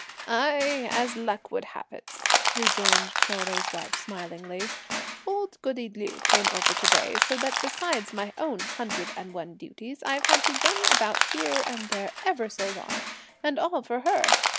"Ai! as luck would have it," rejoined Chou Jui's wife smilingly, "old goody Liu came over to day, so that besides my own hundred and one duties, I've had to run about here and there ever so long, and all for her!